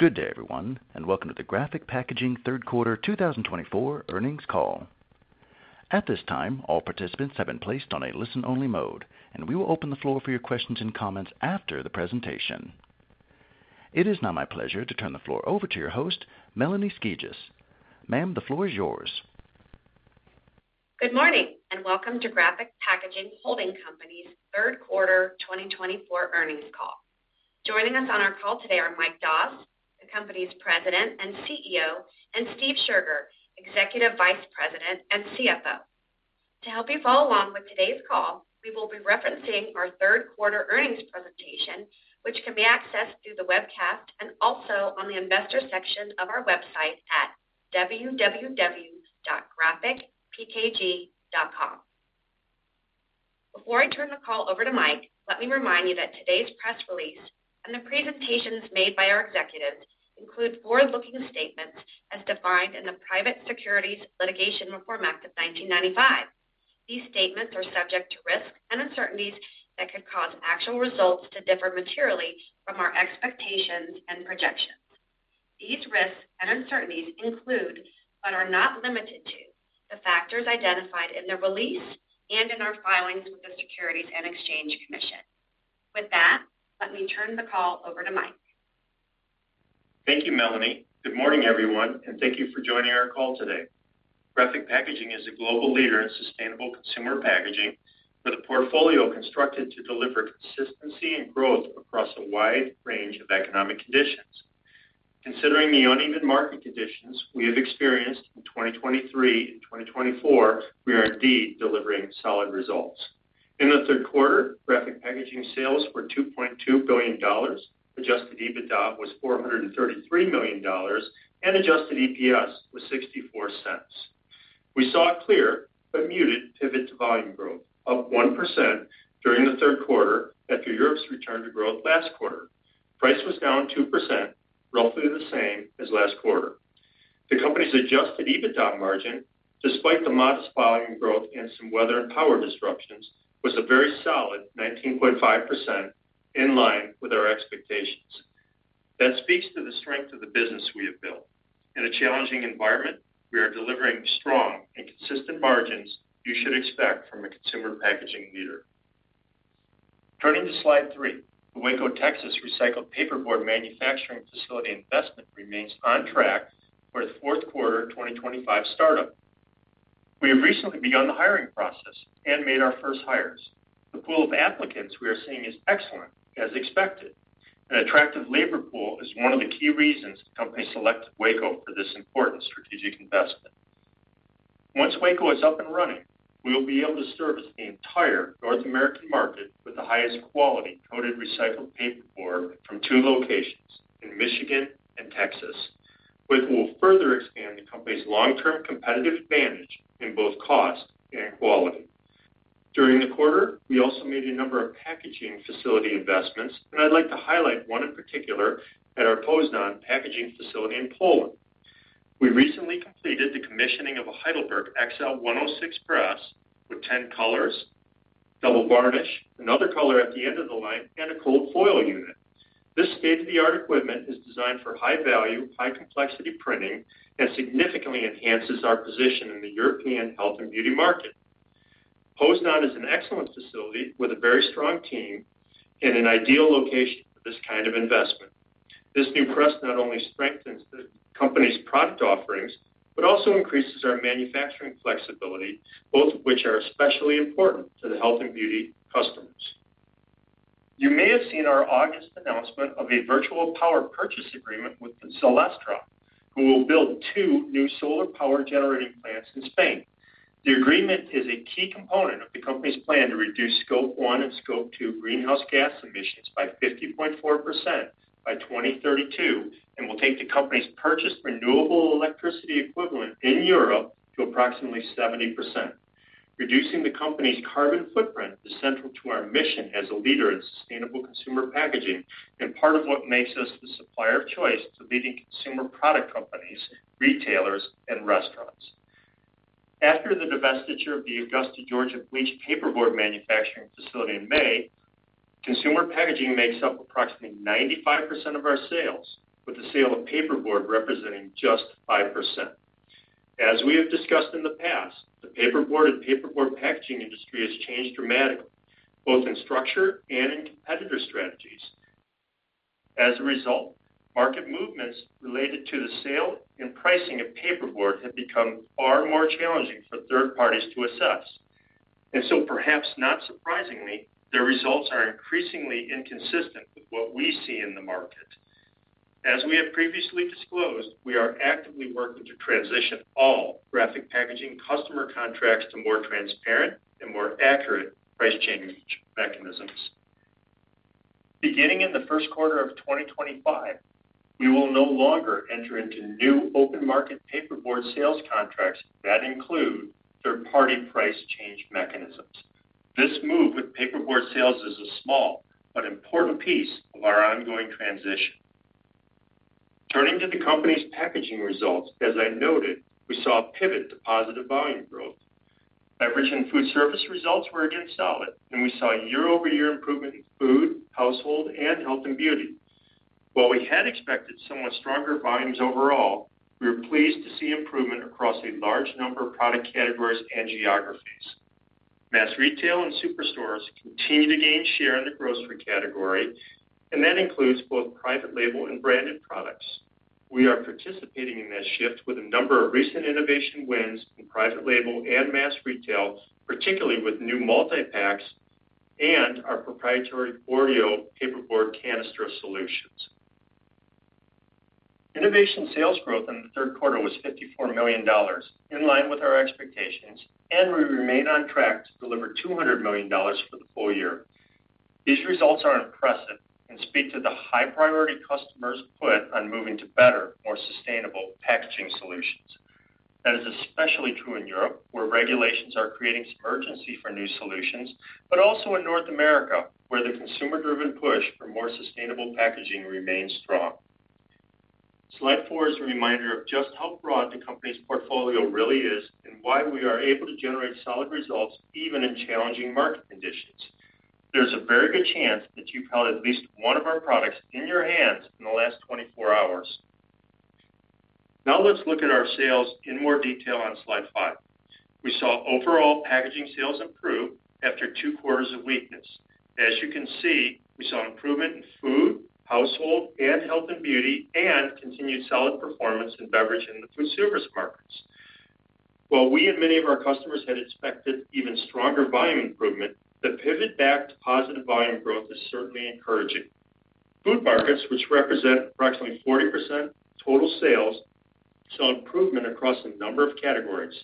Good day, everyone, and welcome to the Graphic Packaging third quarter 2024 earnings call. At this time, all participants have been placed on a listen-only mode, and we will open the floor for your questions and comments after the presentation. It is now my pleasure to turn the floor over to your host, Melanie Skijus. Ma'am, the floor is yours. Good morning and welcome to Graphic Packaging Holding Company's third quarter 2024 earnings call. Joining us on our call today are Mike Doss, the company's President and CEO, and Steve Scherger, Executive Vice President and CFO. To help you follow along with today's call, we will be referencing our third quarter earnings presentation, which can be accessed through the webcast and also on the investor section of our website at www.graphicpkg.com. Before I turn the call over to Mike, let me remind you that today's press release and the presentations made by our executives include forward-looking statements as defined in the Private Securities Litigation Reform Act of 1995. These statements are subject to risks and uncertainties that could cause actual results to differ materially from our expectations and projections. These risks and uncertainties include, but are not limited to, the factors identified in the release and in our filings with the Securities and Exchange Commission. With that, let me turn the call over to Mike. Thank you, Melanie. Good morning, everyone, and thank you for joining our call today. Graphic Packaging is a global leader in sustainable consumer packaging with a portfolio constructed to deliver consistency and growth across a wide range of economic conditions. Considering the uneven market conditions we have experienced in 2023 and 2024, we are indeed delivering solid results. In the third quarter, Graphic Packaging sales were $2.2 billion, adjusted EBITDA was $433 million, and adjusted EPS was $0.64. We saw a clear but muted pivot to volume growth, up 1% during the third quarter after Europe's return to growth last quarter. Price was down 2%, roughly the same as last quarter. The company's adjusted EBITDA margin, despite the modest volume growth and some weather and power disruptions, was a very solid 19.5%, in line with our expectations. That speaks to the strength of the business we have built. In a challenging environment, we are delivering strong and consistent margins you should expect from a consumer packaging leader. Turning to slide three, the Waco, Texas, recycled paperboard manufacturing facility investment remains on track for its fourth quarter 2025 startup. We have recently begun the hiring process and made our first hires. The pool of applicants we are seeing is excellent, as expected. An attractive labor pool is one of the key reasons the company selected Waco for this important strategic investment. Once Waco is up and running, we will be able to service the entire North American market with the highest quality coated recycled paperboard from two locations in Michigan and Texas, which will further expand the company's long-term competitive advantage in both cost and quality. During the quarter, we also made a number of packaging facility investments, and I'd like to highlight one in particular at our Poznań packaging facility in Poland. We recently completed the commissioning of a Heidelberg XL 106 press with 10 colors, double varnish, another color at the end of the line, and a cold foil unit. This state-of-the-art equipment is designed for high-value, high-complexity printing and significantly enhances our position in the European health and beauty market. Poznań is an excellent facility with a very strong team and an ideal location for this kind of investment. This new press not only strengthens the company's product offerings but also increases our manufacturing flexibility, both of which are especially important to the health and beauty customers. You may have seen our August announcement of a virtual power purchase agreement with Cero Generation, who will build two new solar power generating plants in Spain. The agreement is a key component of the company's plan to reduce Scope 1 and Scope 2 greenhouse gas emissions by 50.4% by 2032 and will take the company's purchased renewable electricity equivalent in Europe to approximately 70%. Reducing the company's carbon footprint is central to our mission as a leader in sustainable consumer packaging and part of what makes us the supplier of choice to leading consumer product companies, retailers, and restaurants. After the divestiture of the Augusta, Georgia, bleached paperboard manufacturing facility in May, consumer packaging makes up approximately 95% of our sales, with the sale of paperboard representing just 5%. As we have discussed in the past, the paperboard and paperboard packaging industry has changed dramatically, both in structure and in competitor strategies. As a result, market movements related to the sale and pricing of paperboard have become far more challenging for third parties to assess. And so, perhaps not surprisingly, their results are increasingly inconsistent with what we see in the market. As we have previously disclosed, we are actively working to transition all Graphic Packaging customer contracts to more transparent and more accurate price change mechanisms. Beginning in the first quarter of 2025, we will no longer enter into new open-market paperboard sales contracts that include third-party price change mechanisms. This move with paperboard sales is a small but important piece of our ongoing transition. Turning to the company's packaging results, as I noted, we saw a pivot to positive volume growth. Beverage and food service results were again solid, and we saw year-over-year improvement in food, household, and health and beauty. While we had expected somewhat stronger volumes overall, we were pleased to see improvement across a large number of product categories and geographies. Mass retail and superstores continue to gain share in the grocery category, and that includes both private label and branded products. We are participating in that shift with a number of recent innovation wins in private label and mass retail, particularly with new multi-packs and our proprietary Oreo paperboard canister solutions. Innovation sales growth in the third quarter was $54 million, in line with our expectations, and we remain on track to deliver $200 million for the full year. These results are impressive and speak to the high-priority customers' focus on moving to better, more sustainable packaging solutions. That is especially true in Europe, where regulations are creating some urgency for new solutions, but also in North America, where the consumer-driven push for more sustainable packaging remains strong. Slide four is a reminder of just how broad the company's portfolio really is and why we are able to generate solid results even in challenging market conditions. There's a very good chance that you've held at least one of our products in your hands in the last 24 hours. Now let's look at our sales in more detail on slide five. We saw overall packaging sales improve after two quarters of weakness. As you can see, we saw improvement in food, household, and health and beauty, and continued solid performance in beverage and the food service markets. While we and many of our customers had expected even stronger volume improvement, the pivot back to positive volume growth is certainly encouraging. Food markets, which represent approximately 40% of total sales, saw improvement across a number of categories.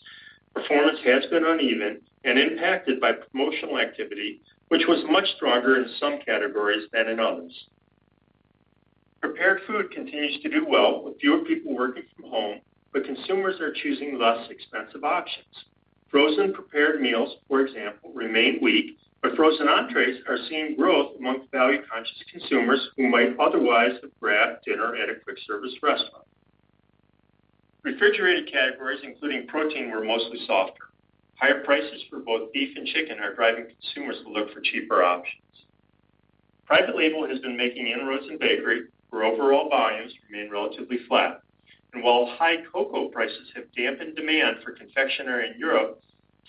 Performance has been uneven and impacted by promotional activity, which was much stronger in some categories than in others. Prepared food continues to do well with fewer people working from home, but consumers are choosing less expensive options. Frozen prepared meals, for example, remain weak, but frozen entrees are seeing growth among value-conscious consumers who might otherwise have grabbed dinner at a quick-service restaurant. Refrigerated categories, including protein, were mostly softer. Higher prices for both beef and chicken are driving consumers to look for cheaper options. Private label has been making inroads in bakery, where overall volumes remain relatively flat. And while high cocoa prices have dampened demand for confectionery in Europe,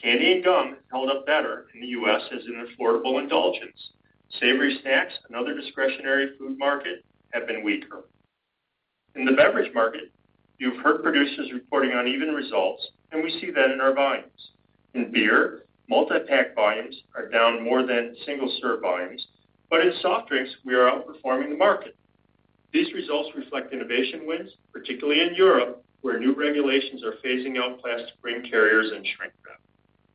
candy and gum have held up better in the U.S. as an affordable indulgence. Savory snacks, another discretionary food market, have been weaker. In the beverage market, you've heard producers reporting uneven results, and we see that in our volumes. In beer, multi-pack volumes are down more than single-serve volumes, but in soft drinks, we are outperforming the market. These results reflect innovation wins, particularly in Europe, where new regulations are phasing out plastic ring carriers and shrink wrap.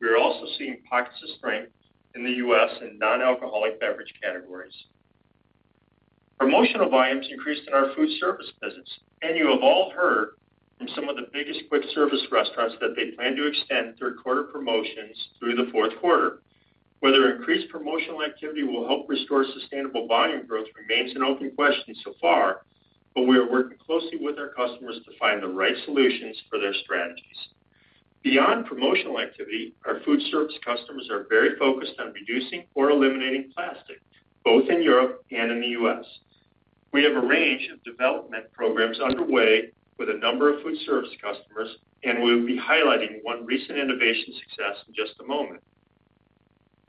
We are also seeing pockets of strength in the U.S. in non-alcoholic beverage categories. Promotional volumes increased in our food service business, and you have all heard from some of the biggest quick-service restaurants that they plan to extend third quarter promotions through fourth quarter. Whether increased promotional activity will help restore sustainable volume growth remains an open question so far, but we are working closely with our customers to find the right solutions for their strategies. Beyond promotional activity, our food service customers are very focused on reducing or eliminating plastic, both in Europe and in the U.S. We have a range of development programs underway with a number of food service customers, and we will be highlighting one recent innovation success in just a moment.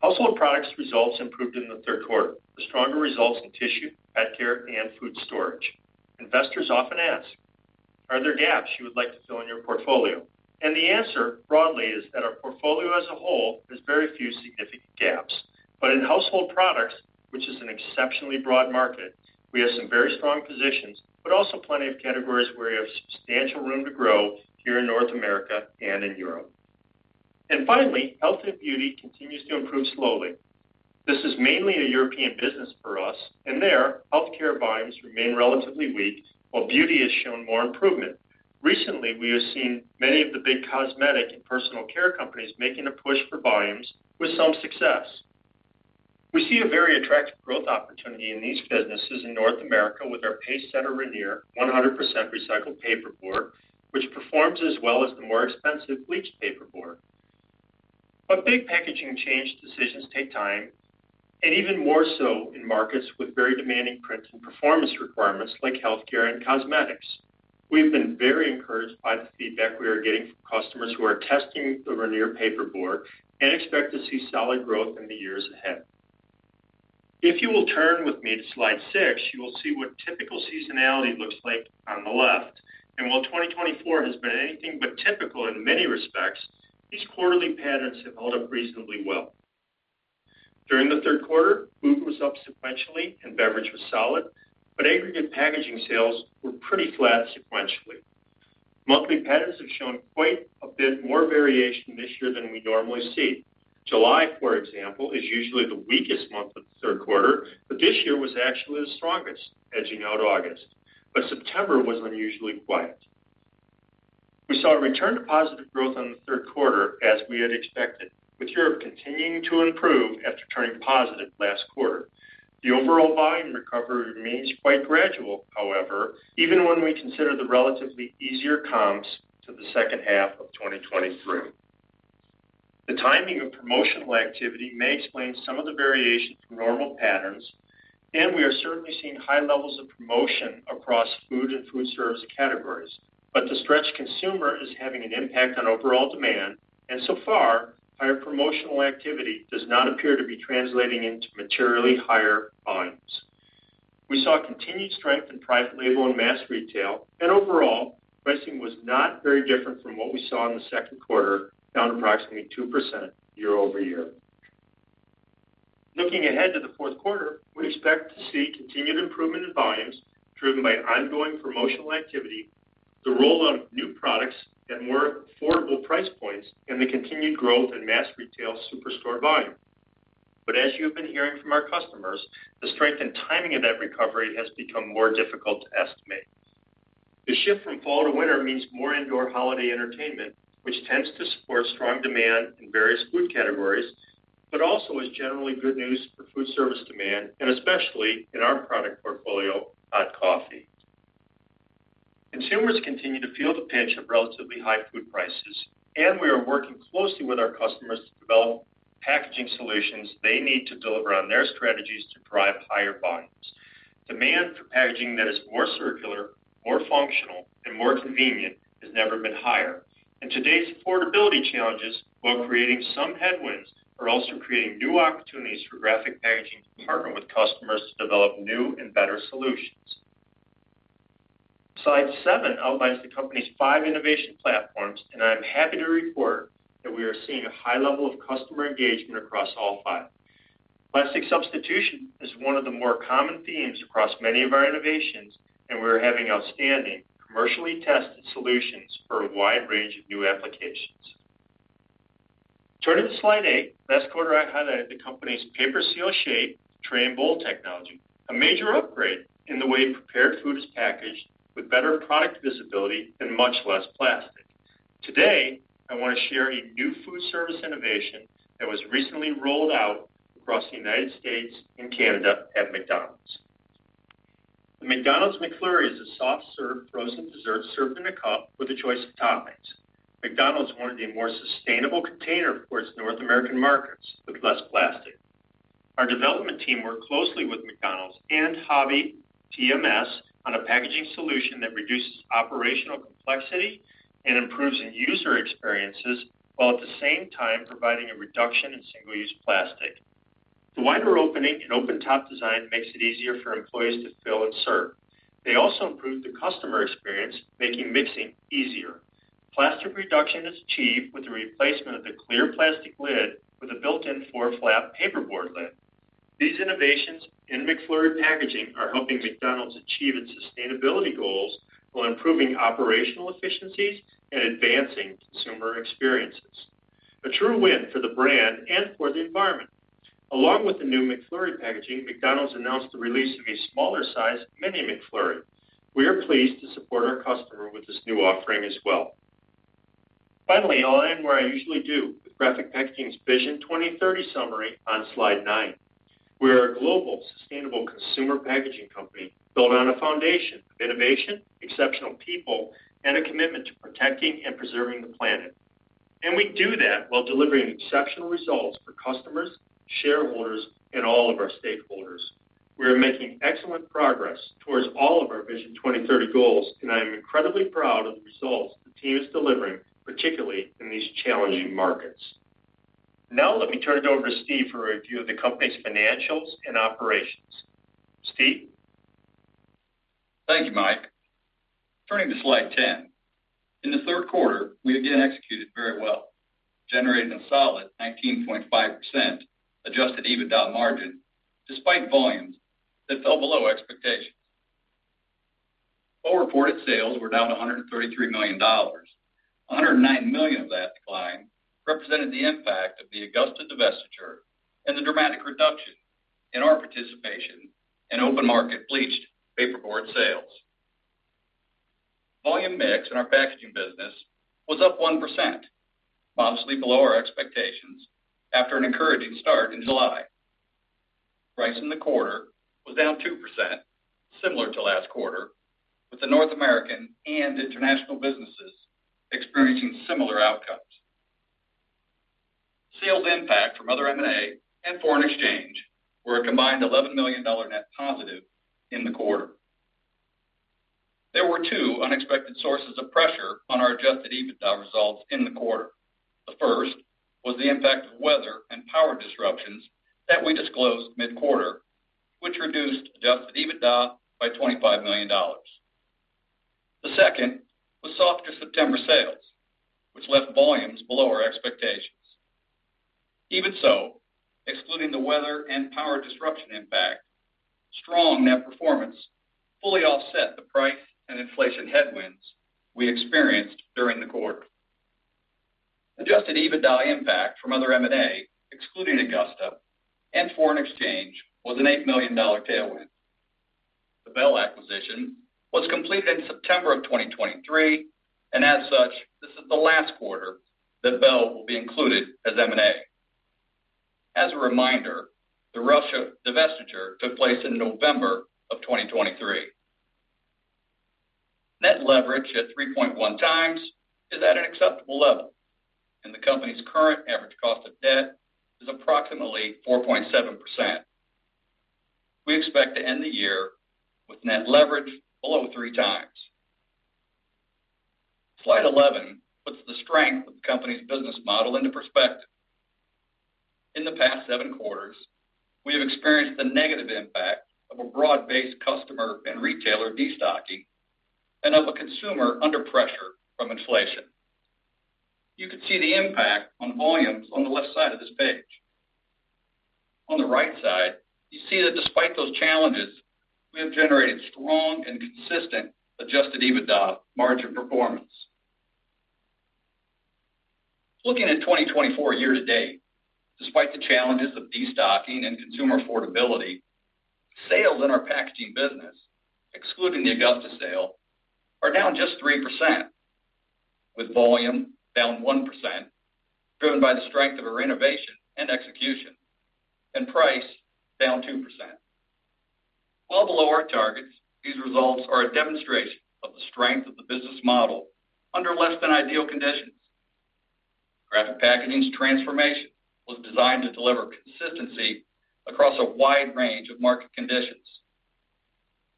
Household products' results improved in the third quarter, with stronger results in tissue, pet care, and food storage. Investors often ask, "Are there gaps you would like to fill in your portfolio?" And the answer, broadly, is that our portfolio as a whole has very few significant gaps. But in household products, which is an exceptionally broad market, we have some very strong positions but also plenty of categories where we have substantial room to grow here in North America and in Europe. And finally, health and beauty continues to improve slowly. This is mainly a European business for us, and there, healthcare volumes remain relatively weak, while beauty has shown more improvement. Recently, we have seen many of the big cosmetic and personal care companies making a push for volumes with some success. We see a very attractive growth opportunity in these businesses in North America with our PaceSetter Rainier 100% recycled paperboard, which performs as well as the more expensive bleached paperboard. But big packaging change decisions take time, and even more so in markets with very demanding print and performance requirements like healthcare and cosmetics. We have been very encouraged by the feedback we are getting from customers who are testing the PaceSetter Rainier paperboard and expect to see solid growth in the years ahead. If you will turn with me to slide six, you will see what typical seasonality looks like on the left. While 2024 has been anything but typical in many respects, these quarterly patterns have held up reasonably well. During the third quarter, food was up sequentially and beverage was solid, but aggregate packaging sales were pretty flat sequentially. Monthly patterns have shown quite a bit more variation this year than we normally see. July, for example, is usually the weakest month of the third quarter, but this year was actually the strongest, edging out August. But September was unusually quiet. We saw a return to positive growth on the third quarter, as we had expected, with Europe continuing to improve after turning positive last quarter. The overall volume recovery remains quite gradual, however, even when we consider the relatively easier comps to the second half of 2023. The timing of promotional activity may explain some of the variation from normal patterns, and we are certainly seeing high levels of promotion across food and food service categories. But the stretched consumer is having an impact on overall demand, and so far, higher promotional activity does not appear to be translating into materially higher volumes. We saw continued strength in private label and mass retail, and overall, pricing was not very different from what we saw in the second quarter, down approximately 2% year-over-year. Looking ahead to the fourth quarter, we expect to see continued improvement in volumes driven by ongoing promotional activity, the rollout of new products at more affordable price points, and the continued growth in mass retail superstore volume. But as you have been hearing from our customers, the strength and timing of that recovery has become more difficult to estimate. The shift from fall to winter means more indoor holiday entertainment, which tends to support strong demand in various food categories, but also is generally good news for food service demand, and especially in our product portfolio, hot coffee. Consumers continue to feel the pinch of relatively high food prices, and we are working closely with our customers to develop packaging solutions they need to deliver on their strategies to drive higher volumes. Demand for packaging that is more circular, more functional, and more convenient has never been higher, and today's affordability challenges, while creating some headwinds, are also creating new opportunities for Graphic Packaging to partner with customers to develop new and better solutions. Slide seven outlines the company's five innovation platforms, and I'm happy to report that we are seeing a high level of customer engagement across all five. Plastic substitution is one of the more common themes across many of our innovations, and we are having outstanding, commercially tested solutions for a wide range of new applications. Turning to slide eight, last quarter, I highlighted the company's PaperSeal Shape tray and bowl technology, a major upgrade in the way prepared food is packaged with better product visibility and much less plastic. Today, I want to share a new food service innovation that was recently rolled out across the United States and Canada at McDonald's. The McDonald's McFlurry is a soft-serve frozen dessert served in a cup with a choice of toppings. McDonald's wanted a more sustainable container for its North American markets with less plastic. Our development team worked closely with McDonald's and HAVI, TMS, on a packaging solution that reduces operational complexity and improves in user experiences while at the same time providing a reduction in single-use plastic. The wider opening and open-top design makes it easier for employees to fill and serve. They also improved the customer experience, making mixing easier. Plastic reduction is achieved with the replacement of the clear plastic lid with a built-in four-flap paperboard lid. These innovations in McFlurry packaging are helping McDonald's achieve its sustainability goals while improving operational efficiencies and advancing consumer experiences. A true win for the brand and for the environment. Along with the new McFlurry packaging, McDonald's announced the release of a smaller-sized Mini McFlurry. We are pleased to support our customer with this new offering as well. Finally, I'll end where I usually do with Graphic Packaging's Vision 2030 summary on slide nine. We are a global, sustainable consumer packaging company built on a foundation of innovation, exceptional people, and a commitment to protecting and preserving the planet. And we do that while delivering exceptional results for customers, shareholders, and all of our stakeholders. We are making excellent progress towards all of our Vision 2030 goals, and I am incredibly proud of the results the team is delivering, particularly in these challenging markets. Now let me turn it over to Steve for a review of the company's financials and operations. Steve? Thank you, Mike. Turning to slide ten, in the third quarter, we again executed very well, generating a solid 19.5% Adjusted EBITDA margin despite volumes that fell below expectations. Forward-quarter sales were down $133 million. $109 million of that decline represented the impact of the Augusta divestiture and the dramatic reduction in our participation in open-market bleached paperboard sales. Volume mix in our packaging business was up 1%, modestly below our expectations after an encouraging start in July. Price in the quarter was down 2%, similar to last quarter, with the North American and international businesses experiencing similar outcomes. Sales impact from other M&A and foreign exchange were a combined $11 million net positive in the quarter. There were two unexpected sources of pressure on our Adjusted EBITDA results in the quarter. The first was the impact of weather and power disruptions that we disclosed mid-quarter, which reduced Adjusted EBITDA by $25 million. The second was softer September sales, which left volumes below our expectations. Even so, excluding the weather and power disruption impact, strong net performance fully offset the price and inflation headwinds we experienced during the quarter. Adjusted EBITDA impact from other M&A, excluding Augusta and foreign exchange, was an $8 million tailwind. The Bell acquisition was completed in September of 2023, and as such, this is the last quarter that Bell will be included as M&A. As a reminder, the Russia divestiture took place in November of 2023. Net leverage at 3.1x is at an acceptable level, and the company's current average cost of debt is approximately 4.7%. We expect to end the year with net leverage below three times. Slide 11 puts the strength of the company's business model into perspective. In the past seven quarters, we have experienced the negative impact of a broad-based customer and retailer destocking and of a consumer under pressure from inflation. You can see the impact on volumes on the left side of this page. On the right side, you see that despite those challenges, we have generated strong and consistent Adjusted EBITDA margin performance. Looking at 2024 year to date, despite the challenges of destocking and consumer affordability, sales in our packaging business, excluding the Augusta sale, are down just 3%, with volume down 1% driven by the strength of our innovation and execution, and price down 2%, well below our targets, these results are a demonstration of the strength of the business model under less-than-ideal conditions. Graphic Packaging's transformation was designed to deliver consistency across a wide range of market conditions.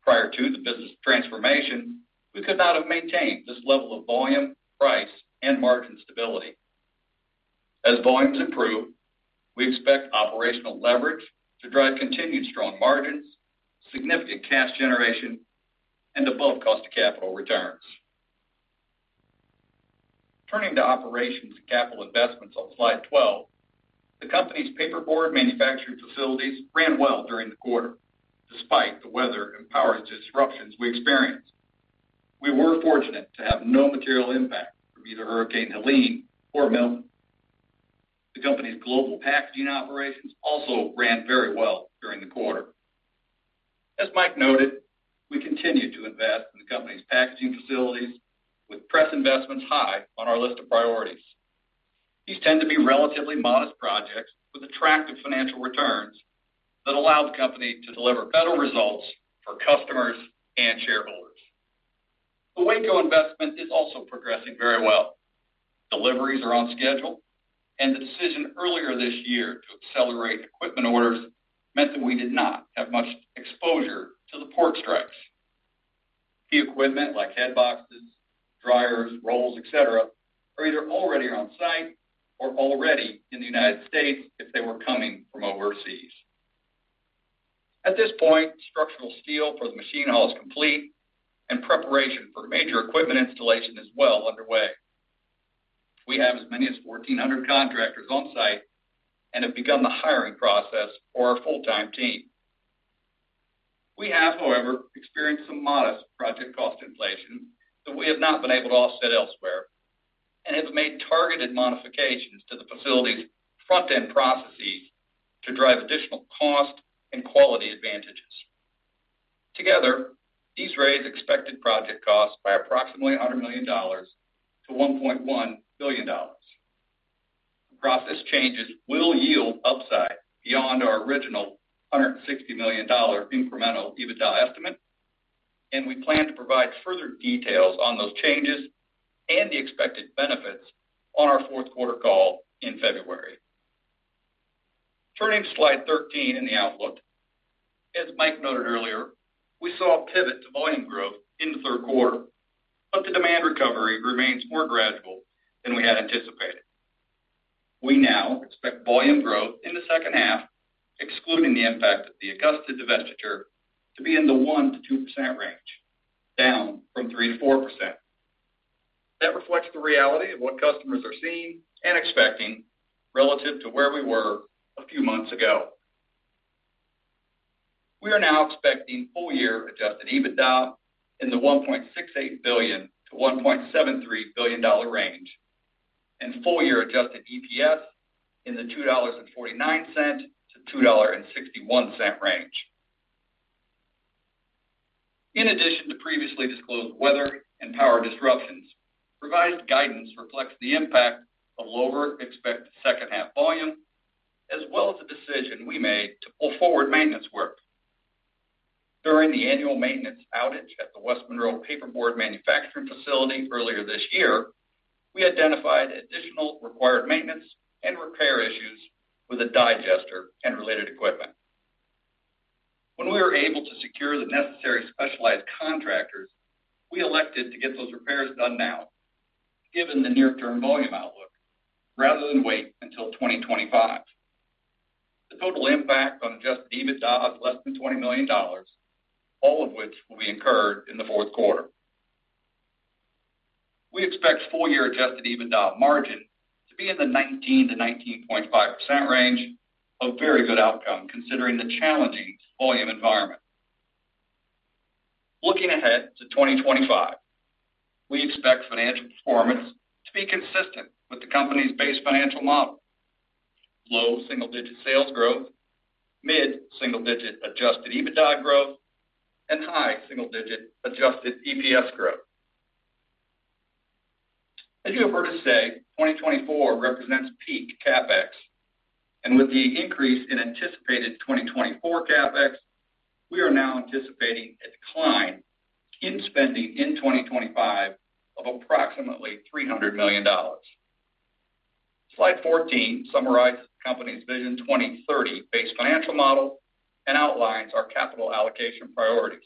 Prior to the business transformation, we could not have maintained this level of volume, price, and margin stability. As volumes improve, we expect operational leverage to drive continued strong margins, significant cash generation, and above-cost-to-capital returns. Turning to operations and capital investments on slide 12, the company's paperboard manufacturing facilities ran well during the quarter, despite the weather and power disruptions we experienced. We were fortunate to have no material impact from either Hurricane Helene or Milton. The company's global packaging operations also ran very well during the quarter. As Mike noted, we continue to invest in the company's packaging facilities, with press investments high on our list of priorities. These tend to be relatively modest projects with attractive financial returns that allow the company to deliver better results for customers and shareholders. The Waco investment is also progressing very well. Deliveries are on schedule, and the decision earlier this year to accelerate equipment orders meant that we did not have much exposure to the port strikes. Key equipment like headboxes, dryers, rolls, et cetera, are either already on site or already in the United States if they were coming from overseas. At this point, structural steel for the machine hall is complete, and preparation for major equipment installation is well underway. We have as many as 1,400 contractors on site and have begun the hiring process for our full-time team. We have, however, experienced some modest project cost inflations that we have not been able to offset elsewhere and have made targeted modifications to the facility's front-end processes to drive additional cost and quality advantages. Together, these raise expected project costs by approximately $100 million-$1.1 billion. Across these changes, we'll yield upside beyond our original $160 million incremental EBITDA estimate, and we plan to provide further details on those changes and the expected benefits on our fourth quarter call in February. Turning to slide 13 in the outlook, as Mike noted earlier, we saw a pivot to volume growth in the third quarter, but the demand recovery remains more gradual than we had anticipated. We now expect volume growth in the second half, excluding the impact of the Augusta divestiture, to be in the 1%-2% range, down from 3%-4%. That reflects the reality of what customers are seeing and expecting relative to where we were a few months ago. We are now expecting full-year Adjusted EBITDA in the $1.68 billion-$1.73 billion range and full-year Adjusted EPS in the $2.49-$2.61 range. In addition to previously disclosed weather and power disruptions, revised guidance reflects the impact of lower expected second-half volume, as well as the decision we made to pull forward maintenance work. During the annual maintenance outage at the West Monroe paperboard manufacturing facility earlier this year, we identified additional required maintenance and repair issues with a digester and related equipment. When we were able to secure the necessary specialized contractors, we elected to get those repairs done now, given the near-term volume outlook, rather than wait until 2025. The total impact on Adjusted EBITDA is less than $20 million, all of which will be incurred in the fourth quarter. We expect full-year Adjusted EBITDA margin to be in the 19%-19.5% range of very good outcome, considering the challenging volume environment. Looking ahead to 2025, we expect financial performance to be consistent with the company's base financial model: low single-digit sales growth, mid-single-digit Adjusted EBITDA growth, and high single-digit Adjusted EPS growth. As you have heard us say, 2024 represents peak CapEx, and with the increase in anticipated 2024 CapEx, we are now anticipating a decline in spending in 2025 of approximately $300 million. Slide 14 summarizes the company's Vision 2030-based financial model and outlines our capital allocation priorities.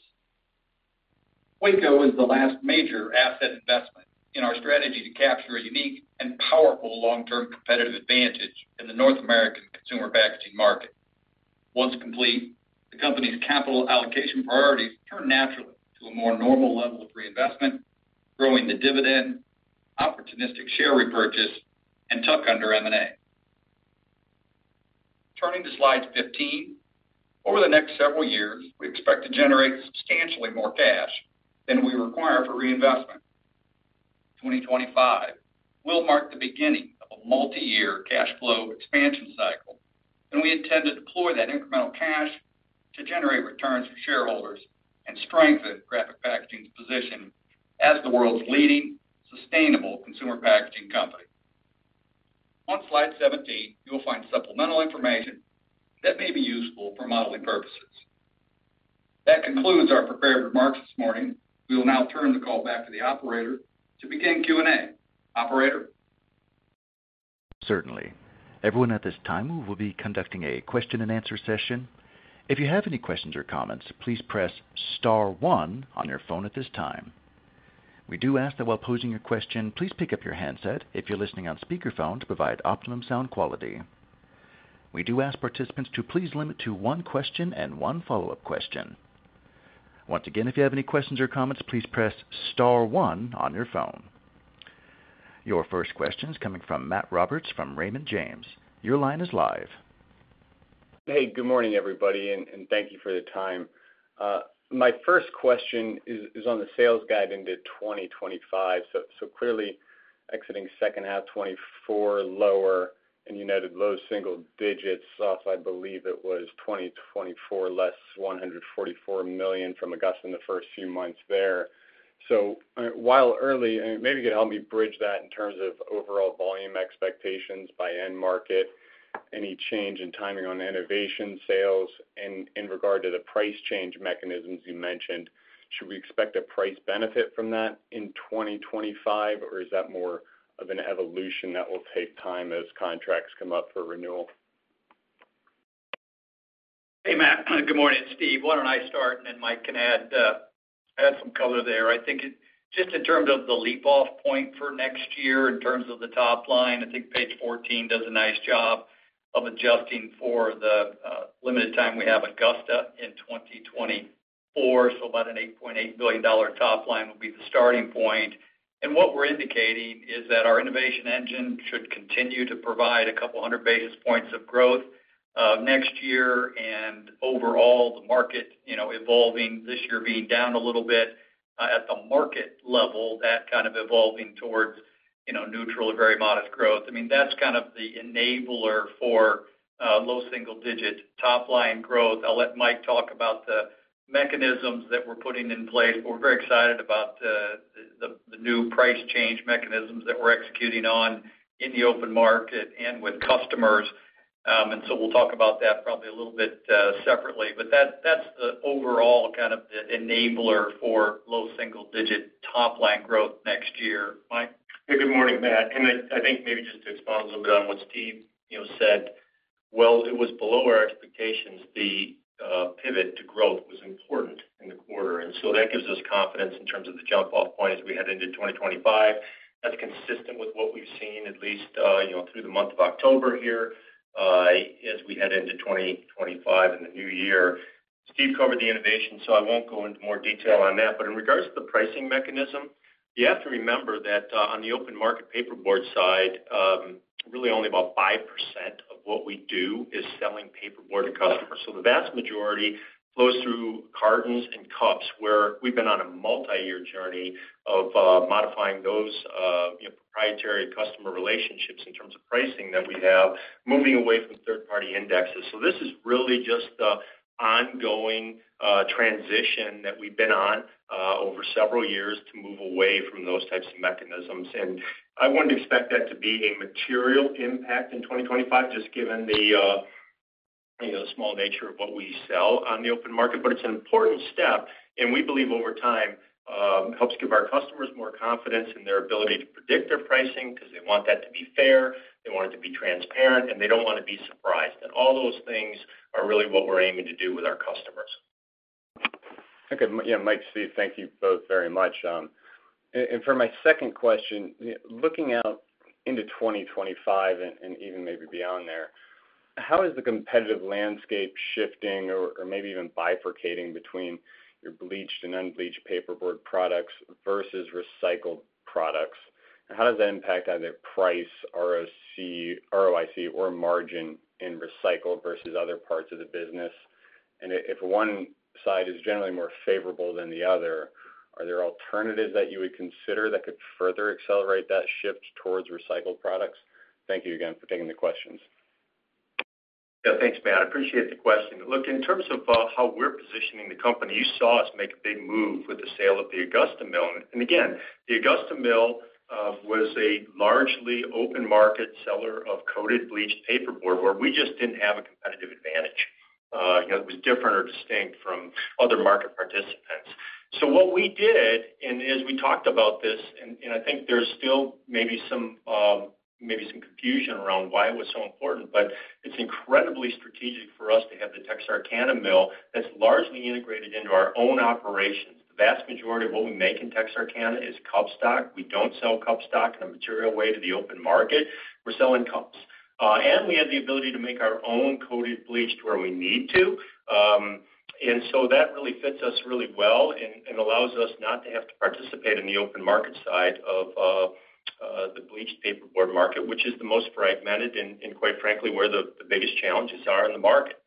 Waco is the last major asset investment in our strategy to capture a unique and powerful long-term competitive advantage in the North American consumer packaging market. Once complete, the company's capital allocation priorities turn naturally to a more normal level of reinvestment, growing the dividend, opportunistic share repurchase, and tuck-under M&A. Turning to slide 15, over the next several years, we expect to generate substantially more cash than we require for reinvestment. 2025 will mark the beginning of a multi-year cash flow expansion cycle, and we intend to deploy that incremental cash to generate returns for shareholders and strengthen Graphic Packaging's position as the world's leading sustainable consumer packaging company. On slide 17, you will find supplemental information that may be useful for modeling purposes. That concludes our prepared remarks this morning. We will now turn the call back to the operator to begin Q&A. Operator? Certainly. Everyone at this time will be conducting a question-and-answer session. If you have any questions or comments, please press Star 1 on your phone at this time. We do ask that while posing your question, please pick up your handset if you're listening on speakerphone to provide optimum sound quality. We do ask participants to please limit to one question and one follow-up question. Once again, if you have any questions or comments, please press Star 1 on your phone. Your first question is coming from Matt Roberts from Raymond James. Your line is live. Hey, good morning, everybody, and thank you for the time. My first question is on the sales guide into 2025. So clearly, exiting second half 2024 lower and you noted low single digits. I believe it was 2024 less $144 million from Augusta in the first few months there. So while early, maybe you could help me bridge that in terms of overall volume expectations by end market, any change in timing on innovation sales in regard to the price change mechanisms you mentioned. Should we expect a price benefit from that in 2025, or is that more of an evolution that will take time as contracts come up for renewal? Hey, Matt. Good morning, Steve. Why don't I start, and then Mike can add some color there. I think just in terms of the leap-off point for next year, in terms of the top line, I think page 14 does a nice job of adjusting for the limited time we have Augusta in 2024. So about an $8.8 billion top line will be the starting point, and what we're indicating is that our innovation engine should continue to provide a couple hundred basis points of growth next year. Overall, the market evolving, this year being down a little bit at the market level, that kind of evolving towards neutral or very modest growth. I mean, that's kind of the enabler for low single-digit top line growth. I'll let Mike talk about the mechanisms that we're putting in place. We're very excited about the new price change mechanisms that we're executing on in the open market and with customers. We'll talk about that probably a little bit separately. That's the overall kind of enabler for low single-digit top line growth next year. Mike? Hey, good morning, Matt. I think maybe just to expand a little bit on what Steve said, while it was below our expectations, the pivot to growth was important in the quarter. That gives us confidence in terms of the jump-off point as we head into 2025. That's consistent with what we've seen at least through the month of October here as we head into 2025 and the new year. Steve covered the innovation, so I won't go into more detail on that. But in regards to the pricing mechanism, you have to remember that on the open market paperboard side, really only about 5% of what we do is selling paperboard to customers. So the vast majority flows through cartons and cups, where we've been on a multi-year journey of modifying those proprietary customer relationships in terms of pricing that we have, moving away from third-party indexes. So this is really just the ongoing transition that we've been on over several years to move away from those types of mechanisms. And I wouldn't expect that to be a material impact in 2025, just given the small nature of what we sell on the open market. But it's an important step, and we believe over time helps give our customers more confidence in their ability to predict their pricing because they want that to be fair, they want it to be transparent, and they don't want to be surprised. And all those things are really what we're aiming to do with our customers. Okay. Yeah, Mike, Steve, thank you both very much. And for my second question, looking out into 2025 and even maybe beyond there, how is the competitive landscape shifting or maybe even bifurcating between your bleached and unbleached paperboard products versus recycled products? And how does that impact either price, ROIC, or margin in recycled versus other parts of the business? And if one side is generally more favorable than the other, are there alternatives that you would consider that could further accelerate that shift towards recycled products? Thank you again for taking the questions. Yeah, thanks, Matt. I appreciate the question. Look, in terms of how we're positioning the company, you saw us make a big move with the sale of the Augusta mill. And again, the Augusta mill was a largely open market seller of coated bleached paperboard, where we just didn't have a competitive advantage. It was different or distinct from other market participants. So what we did, and as we talked about this, and I think there's still maybe some confusion around why it was so important, but it's incredibly strategic for us to have the Texarkana mill that's largely integrated into our own operations. The vast majority of what we make in Texarkana is cup stock. We don't sell cup stock in a material way to the open market. We're selling cups. And we have the ability to make our own coated bleached where we need to. And so that really fits us really well and allows us not to have to participate in the open market side of the bleached paperboard market, which is the most fragmented and, quite frankly, where the biggest challenges are in the market.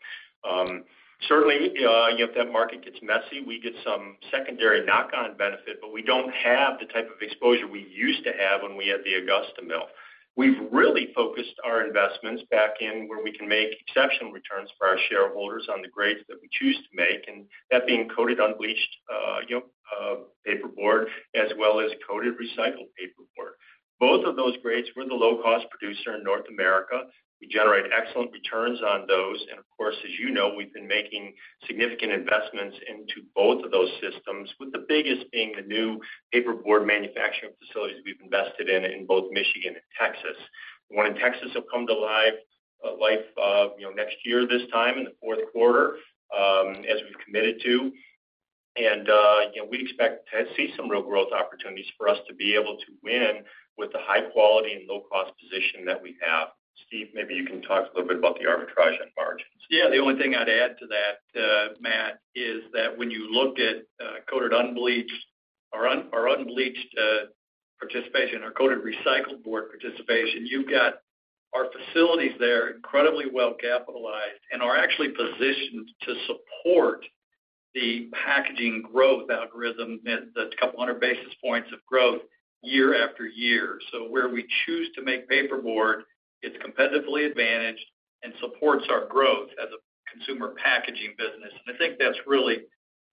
Certainly, if that market gets messy, we get some secondary knock-on benefit, but we don't have the type of exposure we used to have when we had the Augusta mill. We've really focused our investments back in where we can make exceptional returns for our shareholders on the grades that we choose to make, and that being coated unbleached paperboard as well as coated recycled paperboard. Both of those grades, we're the low-cost producer in North America. We generate excellent returns on those. And of course, as you know, we've been making significant investments into both of those systems, with the biggest being the new paperboard manufacturing facilities we've invested in in both Michigan and Texas. The one in Texas will come to life next year this time in the fourth quarter, as we've committed to. And we expect to see some real growth opportunities for us to be able to win with the high-quality and low-cost position that we have. Steve, maybe you can talk a little bit about the arbitrage on margins. Yeah, the only thing I'd add to that, Matt, is that when you look at coated unbleached or unbleached participation or coated recycled board participation, you've got our facilities there incredibly well capitalized and are actually positioned to support the packaging growth algorithm, the couple hundred basis points of growth year-after-year. So where we choose to make paperboard, it's competitively advantaged and supports our growth as a consumer packaging business. And I think that's really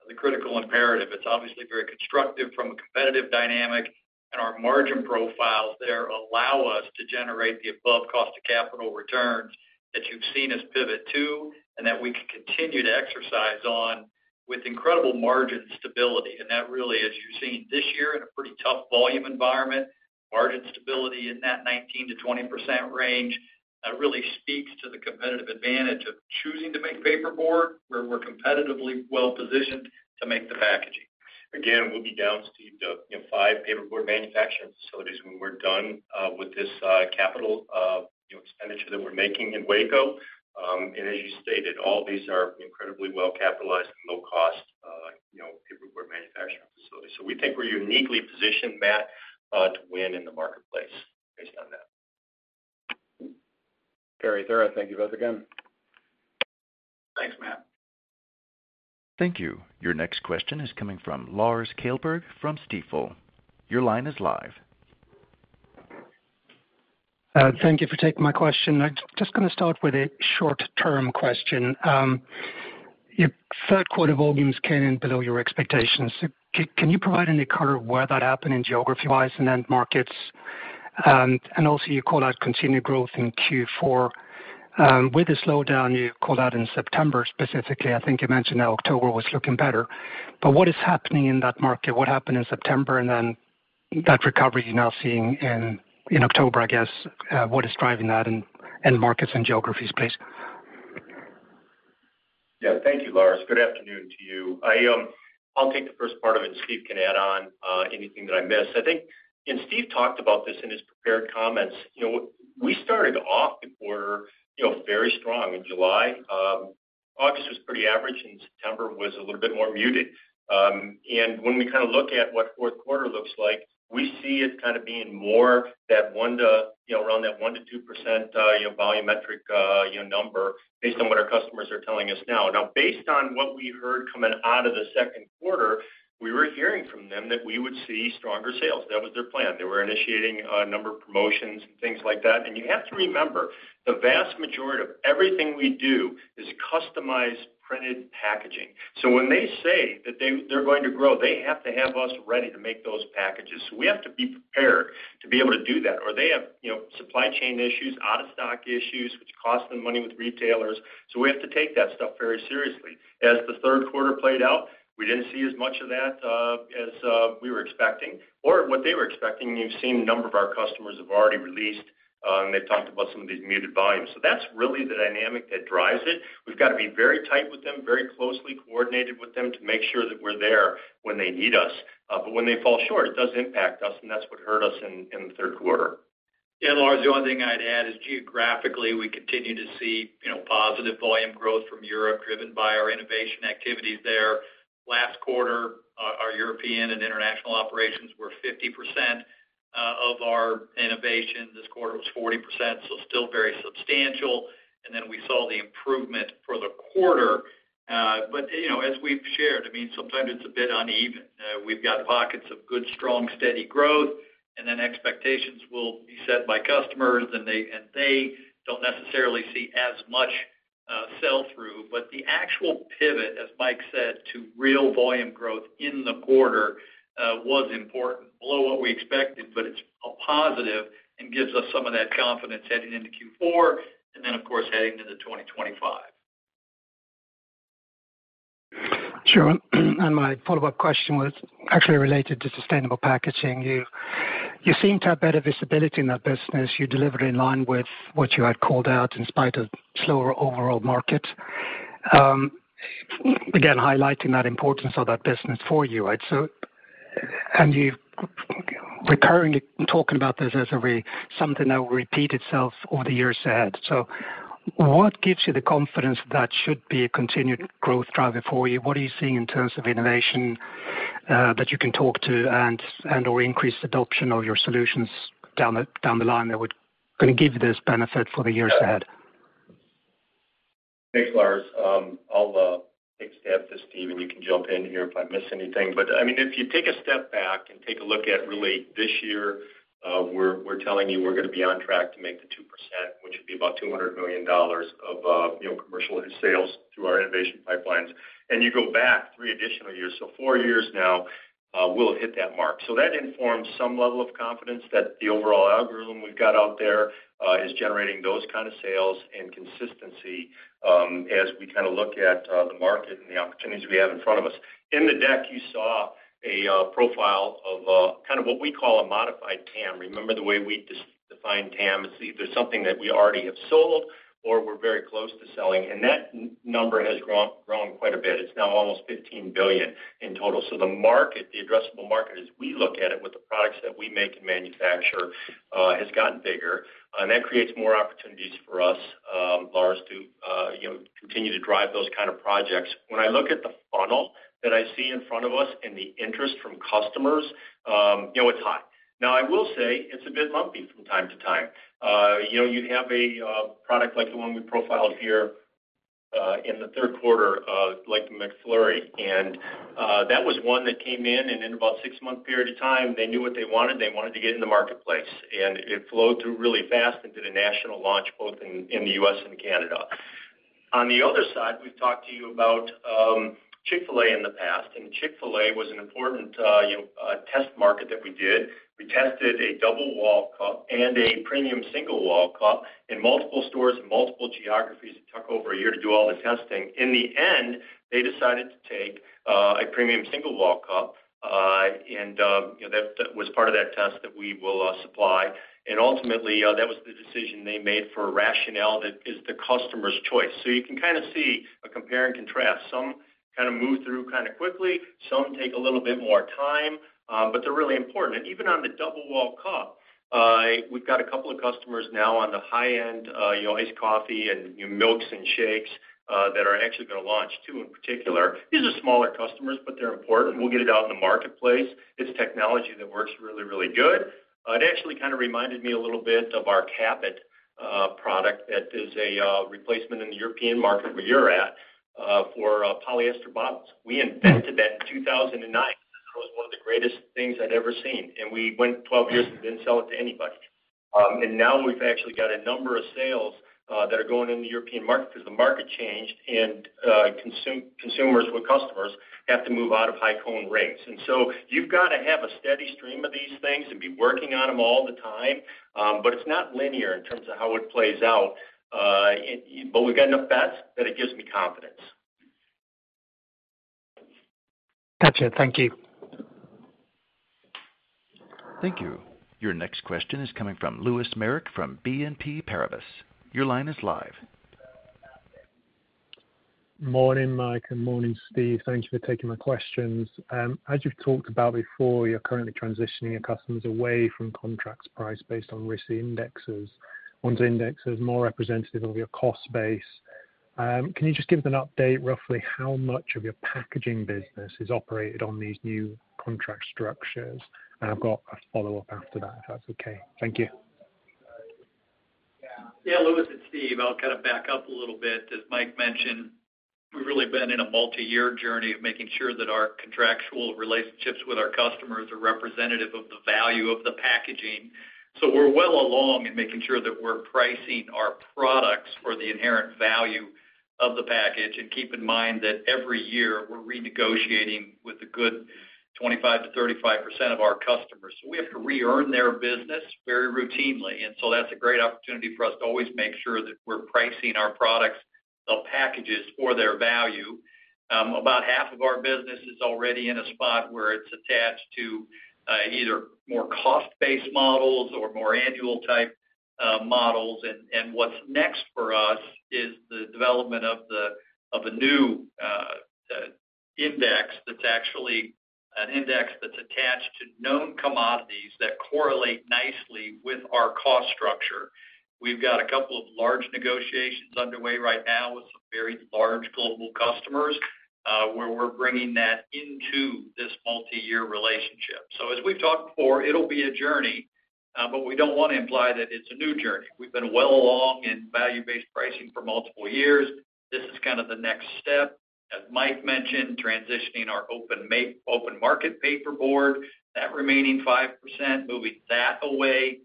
the critical imperative. It's obviously very constructive from a competitive dynamic, and our margin profiles there allow us to generate the above cost of capital returns that you've seen us pivot to and that we can continue to exercise on with incredible margin stability. And that really, as you've seen this year in a pretty tough volume environment, margin stability in that 19%-20% range really speaks to the competitive advantage of choosing to make paperboard, where we're competitively well positioned to make the packaging. Again, we'll be down, Steve, to five paperboard manufacturing facilities when we're done with this capital expenditure that we're making in Waco. And as you stated, all these are incredibly well capitalized and low-cost paperboard manufacturing facilities. So we think we're uniquely positioned, Matt, to win in the marketplace based on that. Very thorough. Thank you both again. Thanks, Matt. Thank you. Your next question is coming from Lars Kjellberg from Stifel. Your line is live. Thank you for taking my question. I'm just going to start with a short-term question. Your third-quarter volumes came in below your expectations. Can you provide any color on where that happened geography-wise and end markets? And also, you called out continued growth in Q4. With the slowdown, you called out in September specifically. I think you mentioned that October was looking better. But what is happening in that market? What happened in September and then that recovery you're now seeing in October, I guess? What is driving that in markets and geographies, please? Yeah, thank you, Lars. Good afternoon to you. I'll take the first part of it, and Steve can add on anything that I missed. I think, and Steve talked about this in his prepared comments, we started off the quarter very strong in July. August was pretty average, and September was a little bit more muted, and when we kind of look at what Q4 looks like, we see it kind of being more that around that 1%-2% volumetric number based on what our customers are telling us now. Now, based on what we heard coming out of the second quarter, we were hearing from them that we would see stronger sales. That was their plan. They were initiating a number of promotions and things like that, and you have to remember, the vast majority of everything we do is customized printed packaging. So when they say that they're going to grow, they have to have us ready to make those packages. So we have to be prepared to be able to do that. Or they have supply chain issues, out-of-stock issues, which cost them money with retailers. So we have to take that stuff very seriously. As the third quarter played out, we didn't see as much of that as we were expecting. Or what they were expecting. You've seen a number of our customers have already released, and they've talked about some of these muted volumes. So that's really the dynamic that drives it. We've got to be very tight with them, very closely coordinated with them to make sure that we're there when they need us. But when they fall short, it does impact us, and that's what hurt us in the third quarter. Yeah, Lars, the only thing I'd add is geographically, we continue to see positive volume growth from Europe driven by our innovation activities there. Last quarter, our European and international operations were 50% of our innovation. This quarter was 40%, so still very substantial. And then we saw the improvement for the quarter. But as we've shared, I mean, sometimes it's a bit uneven. We've got pockets of good, strong, steady growth, and then expectations will be set by customers, and they don't necessarily see as much sell-through. But the actual pivot, as Mike said, to real volume growth in the quarter was important, below what we expected, but it's a positive and gives us some of that confidence heading into Q4 and then, of course, heading into 2025. Sure. And my follow-up question was actually related to sustainable packaging. You seem to have better visibility in that business. You delivered in line with what you had called out in spite of slower overall markets. Again, highlighting that importance of that business for you, right? And you're reiterating and talking about this as something that will repeat itself over the years ahead. So what gives you the confidence that that should be a continued growth driver for you? What are you seeing in terms of innovation that you can talk to and/or increase adoption of your solutions down the line that would kind of give you this benefit for the years ahead? Thanks, Lars. I'll take a stab at this, Steve, and you can jump in here if I miss anything. But I mean, if you take a step back and take a look at really this year, we're telling you we're going to be on track to make the 2%, which would be about $200 million of commercial sales through our innovation pipelines. And you go back three additional years, so four years now, we'll have hit that mark. So that informs some level of confidence that the overall algorithm we've got out there is generating those kinds of sales and consistency as we kind of look at the market and the opportunities we have in front of us. In the deck, you saw a profile of kind of what we call a modified TAM. Remember the way we define TAM? It's either something that we already have sold or we're very close to selling. And that number has grown quite a bit. It's now almost 15 billion in total. So the market, the addressable market, as we look at it with the products that we make and manufacture, has gotten bigger. And that creates more opportunities for us, Lars, to continue to drive those kinds of projects. When I look at the funnel that I see in front of us and the interest from customers, it's high. Now, I will say it's a bit lumpy from time to time. You have a product like the one we profiled here in the third quarter, like the McFlurry. And that was one that came in, and in about a six-month period of time, they knew what they wanted. They wanted to get in the marketplace. And it flowed through really fast and did a national launch both in the U.S. and Canada. On the other side, we've talked to you about Chick-fil-A in the past. Chick-fil-A was an important test market that we did. We tested a double-wall cup and a premium single-wall cup in multiple stores in multiple geographies. It took over a year to do all the testing. In the end, they decided to take a premium single-wall cup, and that was part of that test that we will supply. Ultimately, that was the decision they made for rationale that is the customer's choice. So you can kind of see a compare and contrast. Some kind of move through kind of quickly. Some take a little bit more time, but they're really important. Even on the double-wall cup, we've got a couple of customers now on the high-end iced coffee and milks and shakes that are actually going to launch too in particular. These are smaller customers, but they're important. We'll get it out in the marketplace. It's technology that works really, really good. It actually kind of reminded me a little bit of our Cap-It product that is a replacement in the European market where you're at for polyester bottles. We invented that in 2009 because it was one of the greatest things I'd ever seen. We went 12 years and didn't sell it to anybody. Now we've actually got a number of sales that are going in the European market because the market changed and consumers and customers have to move out of six-pack rings. You've got to have a steady stream of these things and be working on them all the time, but it's not linear in terms of how it plays out. We've got enough bets that it gives me confidence. Gotcha. Thank you. Thank you. Your next question is coming from Lewis Merrick from BNP Paribas. Your line is live. Morning, Mike, and morning, Steve. Thank you for taking my questions. As you've talked about before, you're currently transitioning your customers away from contract price based on CRB indexes. Once index is more representative of your cost base, can you just give us an update roughly how much of your packaging business is operated on these new contract structures? And I've got a follow-up after that, if that's okay. Thank you. Yeah, Lewis it's Steve, I'll kind of back up a little bit. As Mike mentioned, we've really been in a multi-year journey of making sure that our contractual relationships with our customers are representative of the value of the packaging. So we're well along in making sure that we're pricing our products for the inherent value of the package. And keep in mind that every year we're renegotiating with a good 25%-35% of our customers. So we have to re-earn their business very routinely. And so that's a great opportunity for us to always make sure that we're pricing our products, the packages, for their value. About half of our business is already in a spot where it's attached to either more cost-based models or more annual-type models. And what's next for us is the development of a new index that's actually an index that's attached to known commodities that correlate nicely with our cost structure. We've got a couple of large negotiations underway right now with some very large global customers where we're bringing that into this multi-year relationship. So as we've talked before, it'll be a journey, but we don't want to imply that it's a new journey. We've been well along in value-based pricing for multiple years. This is kind of the next step. As Mike mentioned, transitioning our open-market paperboard. That remaining 5%, moving that away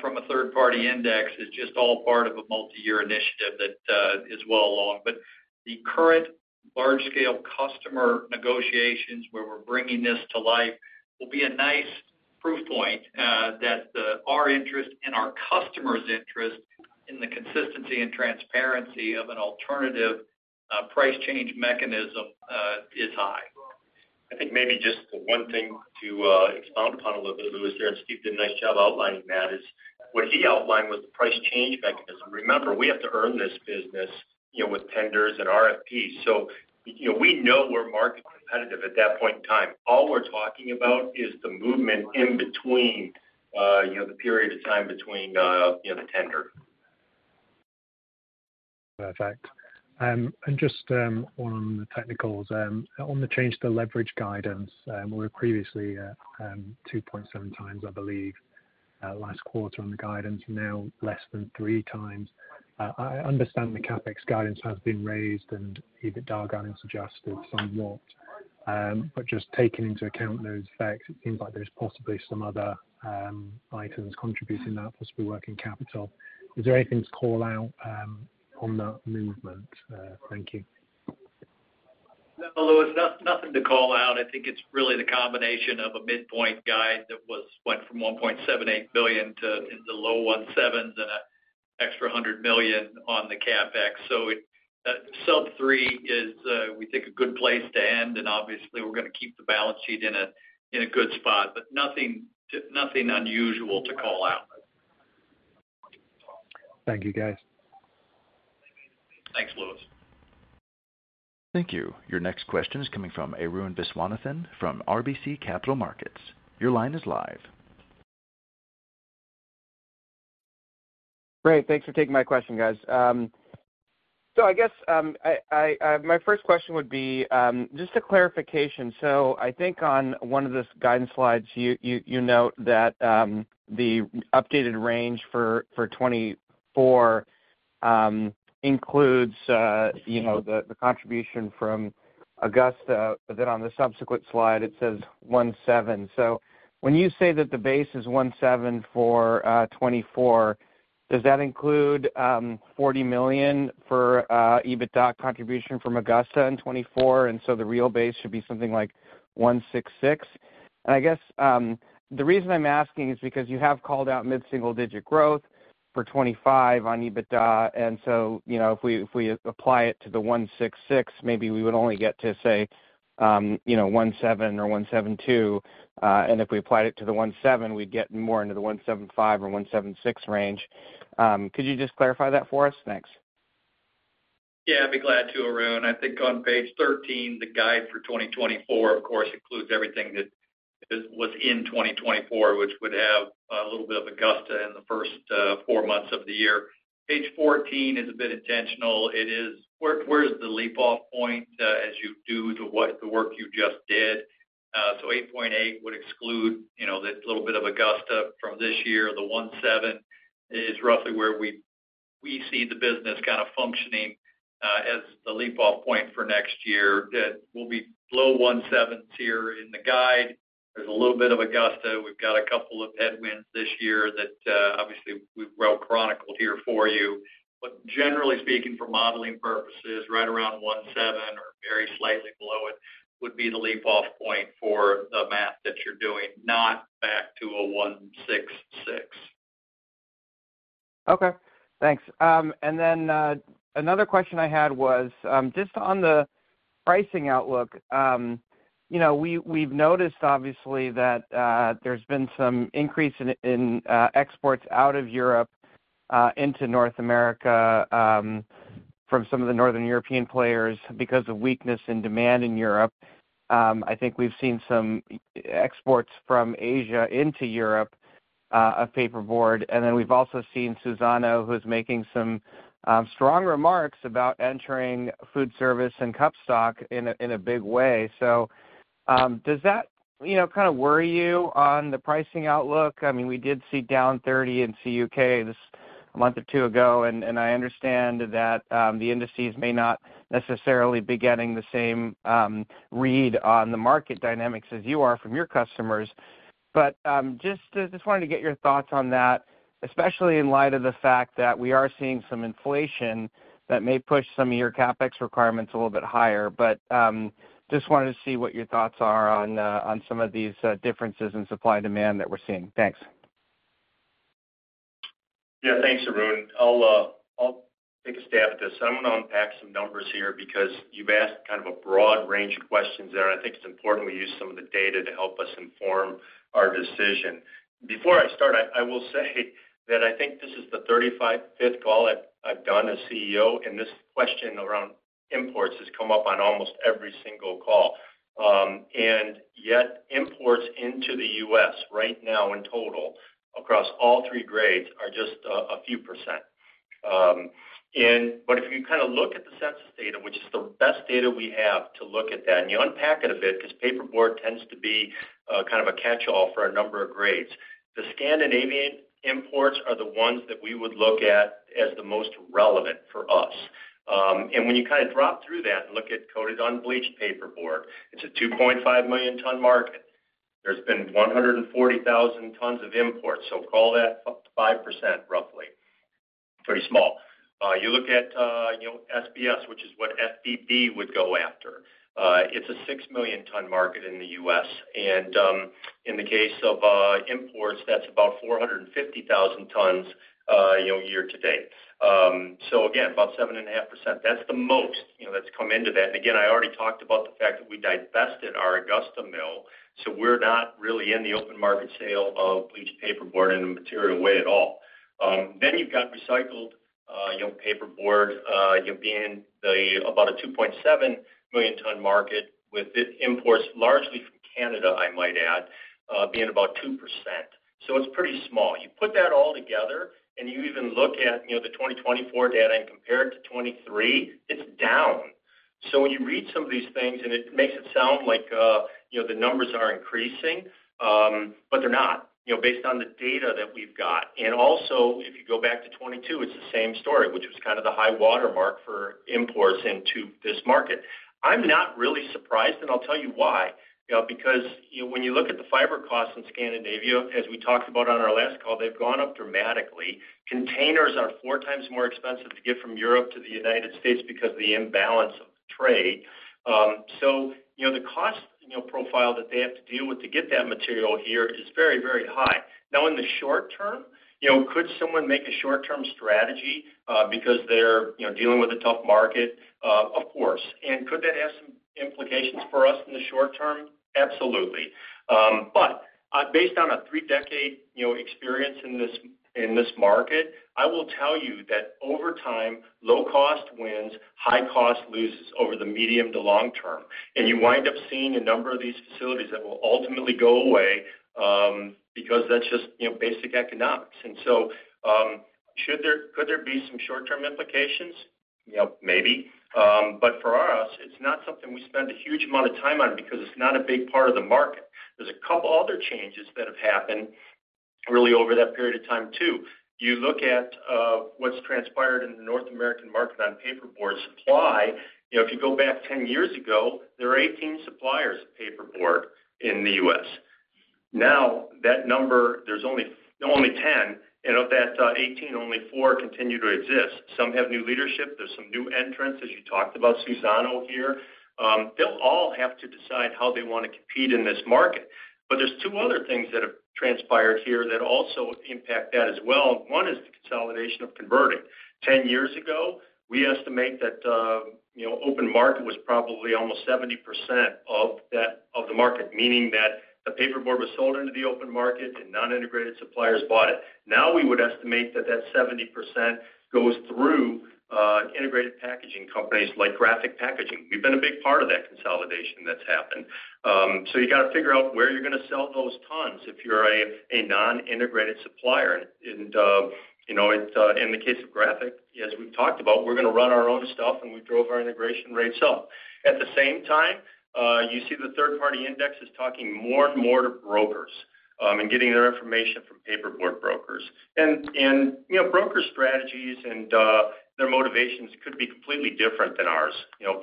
from a third-party index, is just all part of a multi-year initiative that is well along. But the current large-scale customer negotiations where we're bringing this to life will be a nice proof point that our interest and our customer's interest in the consistency and transparency of an alternative price change mechanism is high. I think maybe just the one thing to expound upon a little bit, Lewis here, and Steve did a nice job outlining that, is what he outlined was the price change mechanism. Remember, we have to earn this business with tenders and RFPs. So we know we're market competitive at that point in time. All we're talking about is the movement in between the period of time between the tender. Perfect. And just on the technicals, on the change to the leverage guidance, we were previously at 2.7x, I believe, last quarter on the guidance, and now less than three times. I understand the CapEx guidance has been raised and even our guidance adjusted somewhat. But just taking into account those effects, it seems like there's possibly some other items contributing that, possibly working capital. Is there anything to call out on that movement? Thank you. No, Lewis, nothing to call out. I think it's really the combination of a midpoint guide that went from $1.78 billion into low $1.7 billion and an extra $100 million on the CapEx. So sub-three is, we think, a good place to end, and obviously, we're going to keep the balance sheet in a good spot, but nothing unusual to call out. Thank you, guys. Thanks, Lewis. Thank you. Your next question is coming from Arun Viswanathan from RBC Capital Markets. Your line is live. Great. Thanks for taking my question, guys. So I guess my first question would be just a clarification. So I think on one of the guidance slides, you note that the updated range for 2024 includes the contribution from Augusta, but then on the subsequent slide, it says 1.7. So when you say that the base is 1.7 for 2024, does that include $40 million for EBITDA contribution from Augusta in 2024? And so the real base should be something like 1.66. And I guess the reason I'm asking is because you have called out mid-single-digit growth for 2025 on EBITDA. And so if we apply it to the 1.66, maybe we would only get to, say, 1.7 or 1.72. And if we applied it to the 1.7, we'd get more into the 1.75 or 1.76 range. Could you just clarify that for us next? Yeah, I'd be glad to, Arun. I think on page 13, the guide for 2024, of course, includes everything that was in 2024, which would have a little bit of Augusta in the first four months of the year. Page 14 is a bit intentional. It is, where's the leap-off point as you do the work you just did? So 8.8 would exclude that little bit of Augusta from this year. The 1.7 is roughly where we see the business kind of functioning as the leap-off point for next year. That will be low 1.7s here in the guide. There's a little bit of Augusta. We've got a couple of headwinds this year that obviously we've well chronicled here for you. But generally speaking, for modeling purposes, right around 1.7 or very slightly below it would be the leap-off point for the math that you're doing, not back to a 1.66. Okay. Thanks. And then another question I had was just on the pricing outlook. We've noticed, obviously, that there's been some increase in exports out of Europe into North America from some of the northern European players because of weakness in demand in Europe. I think we've seen some exports from Asia into Europe of paperboard. Then we've also seen Suzano, who's making some strong remarks about entering food service and cup stock in a big way. So does that kind of worry you on the pricing outlook? I mean, we did see down 30 in CUK a month or two ago, and I understand that the indices may not necessarily be getting the same read on the market dynamics as you are from your customers. But just wanted to get your thoughts on that, especially in light of the fact that we are seeing some inflation that may push some of your CapEx requirements a little bit higher. But just wanted to see what your thoughts are on some of these differences in supply and demand that we're seeing. Thanks. Yeah, thanks, Arun. I'll take a stab at this. I'm going to unpack some numbers here because you've asked kind of a broad range of questions there, and I think it's important we use some of the data to help us inform our decision. Before I start, I will say that I think this is the 35th call I've done as CEO, and this question around imports has come up on almost every single call, and yet imports into the U.S. right now in total across all three grades are just a few %. But if you kind of look at the census data, which is the best data we have to look at that, and you unpack it a bit because paperboard tends to be kind of a catch-all for a number of grades, the Scandinavian imports are the ones that we would look at as the most relevant for us. And when you kind of drop through that and look at coated unbleached paperboard, it's a 2.5 million-ton market. There's been 140,000 tons of imports, so call that 5% roughly. Pretty small. You look at SBS, which is what FBB would go after. It's a 6 million-ton market in the U.S. And in the case of imports, that's about 450,000 tons year to date. So again, about 7.5%. That's the most that's come into that. And again, I already talked about the fact that we divested our Augusta mill, so we're not really in the open market sale of bleached paperboard in a material way at all. Then you've got recycled paperboard being about a 2.7 million-ton market with imports largely from Canada, I might add, being about 2%. So it's pretty small. You put that all together, and you even look at the 2024 data and compare it to 2023, it's down. So when you read some of these things and it makes it sound like the numbers are increasing, but they're not based on the data that we've got. And also, if you go back to 2022, it's the same story, which was kind of the high watermark for imports into this market. I'm not really surprised, and I'll tell you why. Because when you look at the fiber costs in Scandinavia, as we talked about on our last call, they've gone up dramatically. Containers are four times more expensive to get from Europe to the United States because of the imbalance of trade. So the cost profile that they have to deal with to get that material here is very, very high. Now, in the short term, could someone make a short-term strategy because they're dealing with a tough market? Of course. And could that have some implications for us in the short term? Absolutely. But based on a three-decade experience in this market, I will tell you that over time, low-cost wins, high-cost loses over the medium to long term. And you wind up seeing a number of these facilities that will ultimately go away because that's just basic economics. And so could there be some short-term implications? Maybe. But for us, it's not something we spend a huge amount of time on because it's not a big part of the market. There's a couple of other changes that have happened really over that period of time too. You look at what's transpired in the North American market on paperboard supply. If you go back 10 years ago, there were 18 suppliers of paperboard in the U.S. Now, that number, there's only 10. And of that 18, only four continue to exist. Some have new leadership. There's some new entrants, as you talked about, Suzano here. They'll all have to decide how they want to compete in this market. But there's two other things that have transpired here that also impact that as well. One is the consolidation of converting. 10 years ago, we estimate that open market was probably almost 70% of the market, meaning that the paperboard was sold into the open market and non-integrated suppliers bought it. Now, we would estimate that that 70% goes through integrated packaging companies like Graphic Packaging. We've been a big part of that consolidation that's happened. So you got to figure out where you're going to sell those tons if you're a non-integrated supplier. And in the case of Graphic, as we've talked about, we're going to run our own stuff, and we drove our integration rates up. At the same time, you see the third-party index is talking more and more to brokers and getting their information from paperboard brokers. And broker strategies and their motivations could be completely different than ours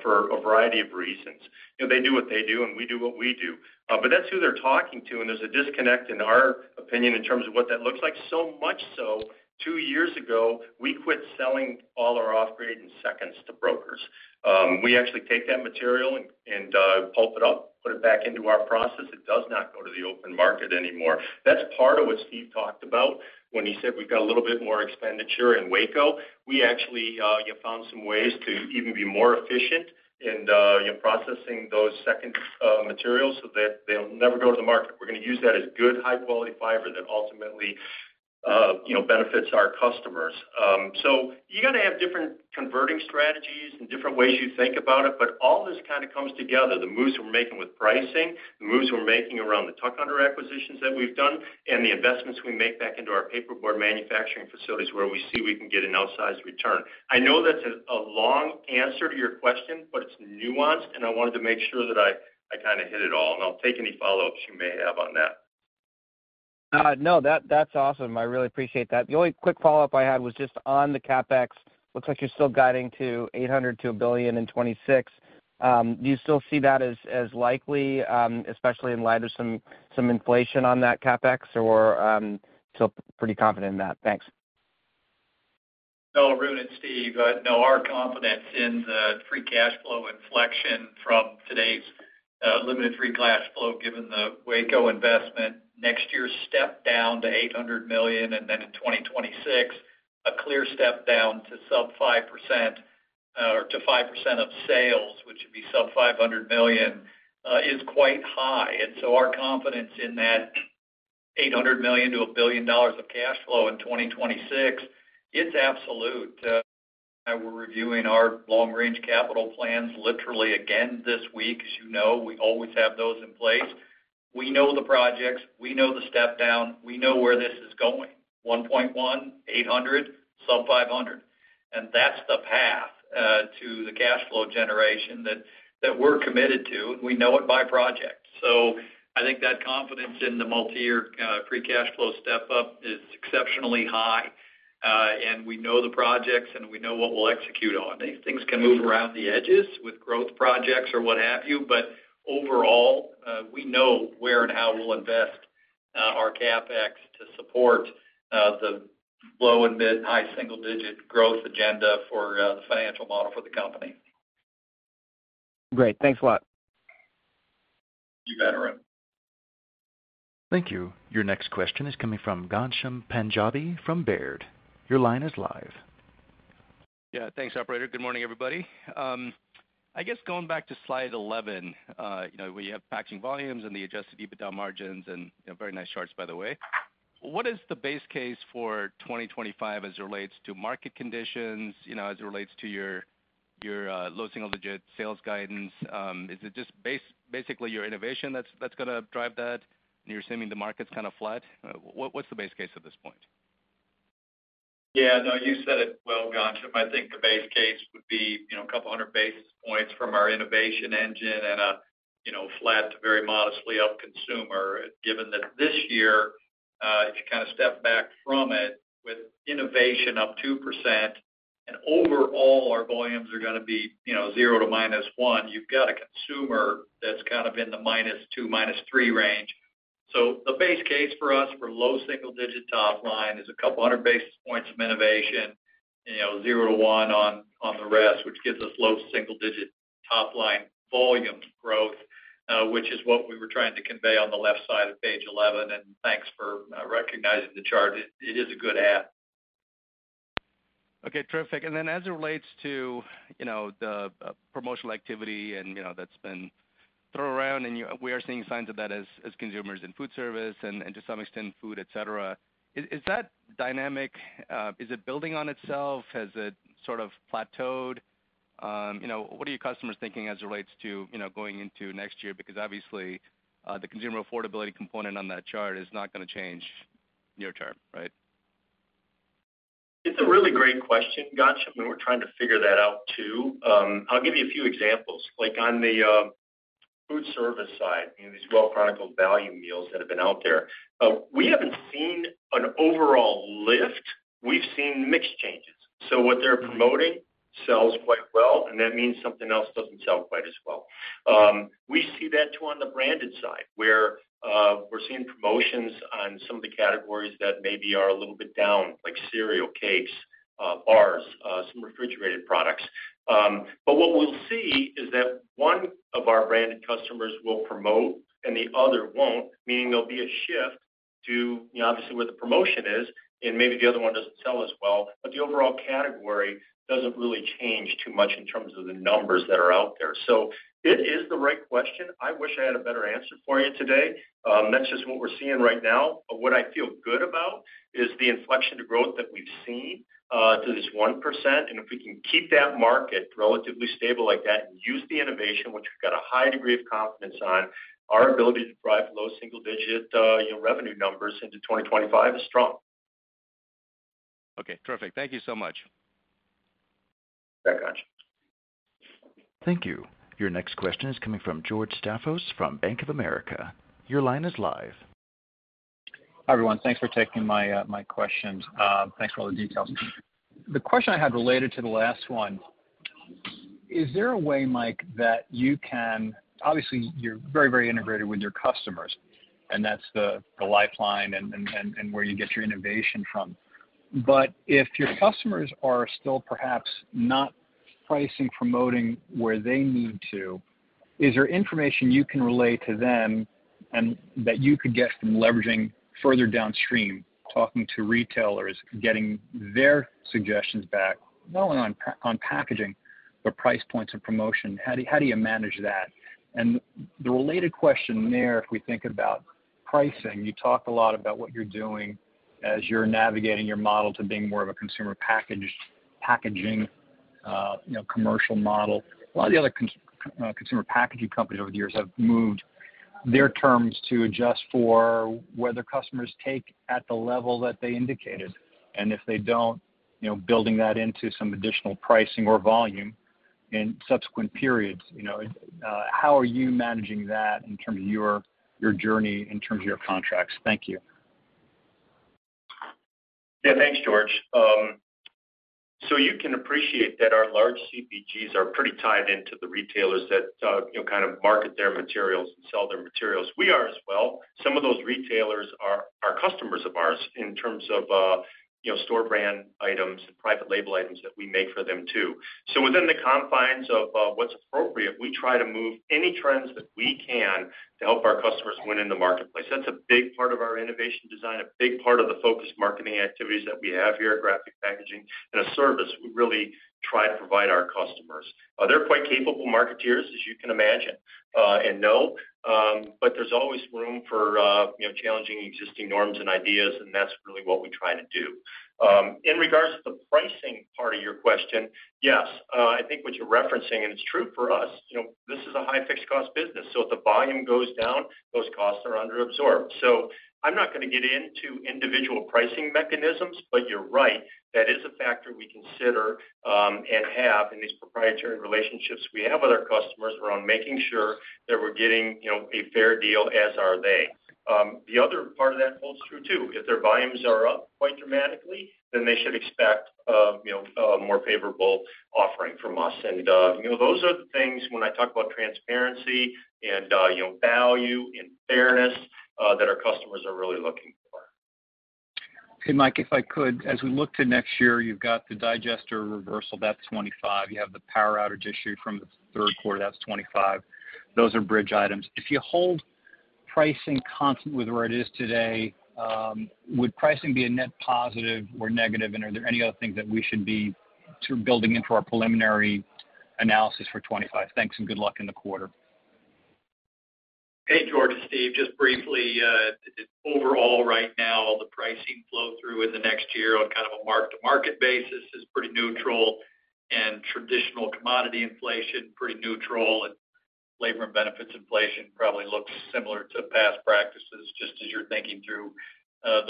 for a variety of reasons. They do what they do, and we do what we do. But that's who they're talking to, and there's a disconnect in our opinion in terms of what that looks like. So much so, two years ago, we quit selling all our off-grade and seconds to brokers. We actually take that material and pulp it up, put it back into our process. It does not go to the open market anymore. That's part of what Steve talked about when he said we've got a little bit more expenditure in Waco. We actually found some ways to even be more efficient in processing those second materials so that they'll never go to the market. We're going to use that as good, high-quality fiber that ultimately benefits our customers. So you got to have different converting strategies and different ways you think about it, but all this kind of comes together. The moves we're making with pricing, the moves we're making around the tuck-under acquisitions that we've done, and the investments we make back into our paperboard manufacturing facilities where we see we can get an outsized return. I know that's a long answer to your question, but it's nuanced, and I wanted to make sure that I kind of hit it all. And I'll take any follow-ups you may have on that. No, that's awesome. I really appreciate that. The only quick follow-up I had was just on the CapEx. Looks like you're still guiding to $800 million-$1 billion in 2026. Do you still see that as likely, especially in light of some inflation on that CapEx? Or still pretty confident in that? Thanks. No, Arun and Steve, no, our confidence in the free cash flow inflection from today's limited free cash flow given the Waco investment next year stepped down to $800 million, and then in 2026, a clear step down to sub-5% or to 5% of sales, which would be sub-$500 million, is quite high. And so our confidence in that $800 million-$1 billion of cash flow in 2026, it's absolute. We're reviewing our long-range capital plans literally again this week. As you know, we always have those in place. We know the projects. We know the step down. We know where this is going. 1.1, 800, sub 500. And that's the path to the cash flow generation that we're committed to, and we know it by project. So I think that confidence in the multi-year free cash flow step up is exceptionally high, and we know the projects, and we know what we'll execute on. Things can move around the edges with growth projects or what have you, but overall, we know where and how we'll invest our CapEx to support the low, and mid, and high single-digit growth agenda for the financial model for the company. Great. Thanks a lot. You bet, Arun. Thank you. Your next question is coming from Ghansham Panjabi from Baird. Your line is live. Yeah, thanks, operator. Good morning, everybody. I guess going back to slide 11, we have packaging volumes and the adjusted EBITDA margins and very nice charts, by the way. What is the base case for 2025 as it relates to market conditions, as it relates to your low single-digit sales guidance? Is it just basically your innovation that's going to drive that, and you're assuming the market's kind of flat? What's the base case at this point? Yeah, no, you said it well, Ghansham. I think the base case would be a couple hundred basis points from our innovation engine and a flat to very modestly up consumer, given that this year, if you kind of step back from it with innovation up 2%, and overall, our volumes are going to be 0 to -1, you've got a consumer that's kind of in the -2 to -3 range. So the base case for us for low single-digit top line is a couple hundred basis points of innovation, 0 to 1 on the rest, which gives us low single-digit top line volume growth, which is what we were trying to convey on the left side of page 11. And thanks for recognizing the chart. It is a good ad. Okay, terrific. And then as it relates to the promotional activity that's been thrown around, and we are seeing signs of that as consumers in food service and to some extent food, etc. Is that dynamic? Is it building on itself? Has it sort of plateaued? What are your customers thinking as it relates to going into next year? Because obviously, the consumer affordability component on that chart is not going to change near term, right? It's a really great question, Ghansham, and we're trying to figure that out too. I'll give you a few examples. On the food service side, these well-chronicled value meals that have been out there, we haven't seen an overall lift. We've seen mixed changes. So what they're promoting sells quite well, and that means something else doesn't sell quite as well. We see that too on the branded side, where we're seeing promotions on some of the categories that maybe are a little bit down, like cereal, cakes, bars, some refrigerated products. But what we'll see is that one of our branded customers will promote and the other won't, meaning there'll be a shift to, obviously, where the promotion is, and maybe the other one doesn't sell as well, but the overall category doesn't really change too much in terms of the numbers that are out there. So it is the right question. I wish I had a better answer for you today. That's just what we're seeing right now. What I feel good about is the inflection to growth that we've seen to this 1%. And if we can keep that market relatively stable like that and use the innovation, which we've got a high degree of confidence on, our ability to drive low single-digit revenue numbers into 2025 is strong. Okay, terrific. Thank you so much. Thank you. Your next question is coming from George Staphos from Bank of America. Your line is live. Hi, everyone. Thanks for taking my questions. Thanks for all the details. The question I had related to the last one, is there a way, Mike, that you can obviously, you're very, very integrated with your customers, and that's the lifeline and where you get your innovation from. But if your customers are still perhaps not pricing or promoting where they need to, is there information you can relay to them that you could get from leveraging further downstream, talking to retailers, getting their suggestions back, not only on packaging, but price points and promotion? How do you manage that? And the related question there, if we think about pricing, you talked a lot about what you're doing as you're navigating your model to being more of a consumer packaging commercial model. A lot of the other consumer packaging companies over the years have moved their terms to adjust for whether customers take at the level that they indicated. And if they don't, building that into some additional pricing or volume in subsequent periods. How are you managing that in terms of your journey in terms of your contracts? Thank you. Yeah, thanks, George. So you can appreciate that our large CPGs are pretty tied into the retailers that kind of market their materials and sell their materials. We are as well. Some of those retailers are customers of ours in terms of store brand items and private label items that we make for them too. So within the confines of what's appropriate, we try to move any trends that we can to help our customers win in the marketplace. That's a big part of our innovation design, a big part of the focused marketing activities that we have here at Graphic Packaging and a service we really try to provide our customers. They're quite capable marketeers, as you can imagine and know, but there's always room for challenging existing norms and ideas, and that's really what we try to do. In regards to the pricing part of your question, yes, I think what you're referencing, and it's true for us, this is a high fixed cost business. So if the volume goes down, those costs are under absorbed. So I'm not going to get into individual pricing mechanisms, but you're right. That is a factor we consider and have in these proprietary relationships we have with our customers around making sure that we're getting a fair deal, as are they. The other part of that holds true too. If their volumes are up quite dramatically, then they should expect a more favorable offering from us. And those are the things, when I talk about transparency and value and fairness, that our customers are really looking for. Hey, Mike, if I could, as we look to next year, you've got the digester reversal, that's 25. You have the power outage issue from the third quarter, that's 25. Those are bridge items. If you hold pricing constant with where it is today, would pricing be a net positive or negative? And are there any other things that we should be sort of building into our preliminary analysis for 25? Thanks, and good luck in the quarter. Hey, George, it's Steve, just briefly, overall, right now, the pricing flow through in the next year on kind of a mark-to-market basis is pretty neutral, and traditional commodity inflation pretty neutral, and labor and benefits inflation probably looks similar to past practices just as you're thinking through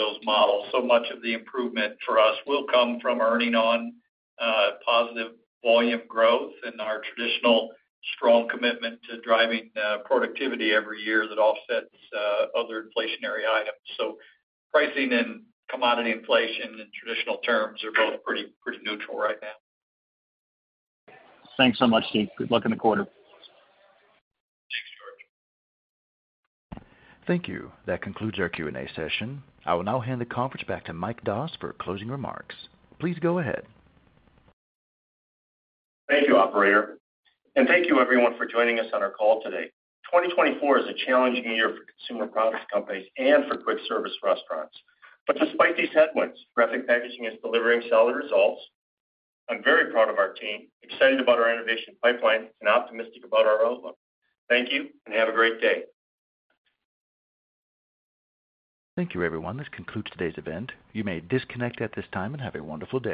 those models. So much of the improvement for us will come from earning on positive volume growth and our traditional strong commitment to driving productivity every year that offsets other inflationary items. So pricing and commodity inflation in traditional terms are both pretty neutral right now. Thanks so much, Steve. Good luck in the quarter. Thanks, George. Thank you. That concludes our Q&A session. I will now hand the conference back to Mike Doss for closing remarks. Please go ahead. Thank you, operator. And thank you, everyone, for joining us on our call today. 2024 is a challenging year for consumer products companies and for quick service restaurants. But despite these headwinds, Graphic Packaging is delivering solid results. I'm very proud of our team, excited about our innovation pipeline, and optimistic about our outlook. Thank you, and have a great day. Thank you, everyone. This concludes today's event. You may disconnect at this time and have a wonderful day.